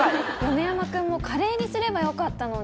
米山君もカレーにすればよかったのに。